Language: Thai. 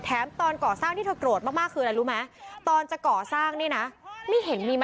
แถมตอนก่อสร้างที่เธอกรวดมากคืออะไรรู้ไหม